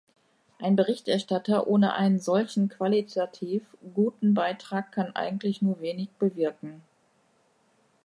Ein Berichterstatter ohne einen solchen qualitativ guten Beitrag kann eigentlich nur wenig bewirken.